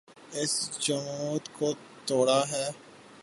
اس جمود کو توڑا ہے۔